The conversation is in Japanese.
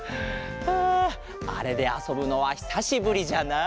ああれであそぶのはひさしぶりじゃなあ。